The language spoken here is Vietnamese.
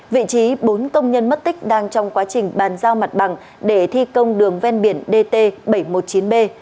vị trí bốn công nhân mất tích đang trong quá trình bàn giao mặt bằng để thi công đường ven biển dt bảy trăm một mươi chín b